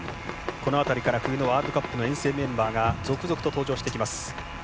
この辺りから冬のワールドカップの遠征メンバーが続々と登場してきます。